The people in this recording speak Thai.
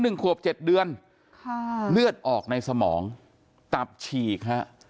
หลังจาก๗เดือนเลือดออกในสมองตับฉีก